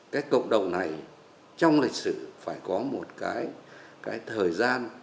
cái cộng đồng này trong lịch sử phải có một cái thời gian